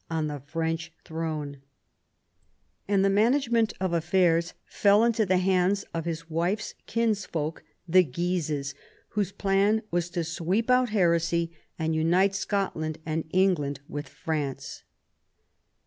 on the French throne, and the management of affairs fell into the hands of his wife's kinsfolk, the Guises, whose plan was to sweep out heresy and unite Scotland and England with France.